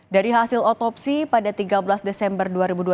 dari hasil otopsi pada tiga belas desember dua ribu dua puluh